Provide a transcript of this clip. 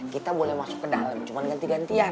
kita boleh masuk ke dalam cuma ganti gantian